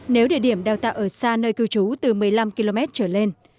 nếu địa điểm đào tạo ở xa nơi cư trú từ một mươi năm km trở lên